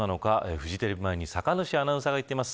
フジテレビ前に酒主アナウンサーが行っています。